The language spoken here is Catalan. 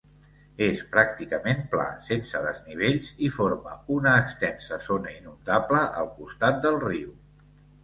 És pràcticament pla, sense desnivells, i forma una extensa zona inundable al costat del riu.